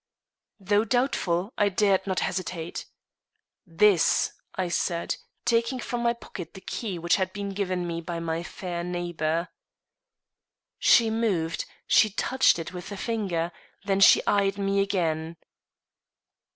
Though doubtful, I dared not hesitate. "This," I said, taking from my pocket the key which had been given me by my fair neighbor. She moved, she touched it with a finger; then she eyed me again.